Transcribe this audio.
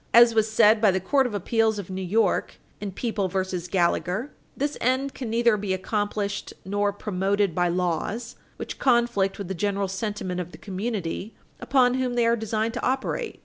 As was said by the Court of Appeals of New York in People v. Gallagher, 93 N.Y. 438, 448, "this end can neither be accomplished nor promoted by laws which conflict with the general sentiment of the community upon whom they are designed to operate.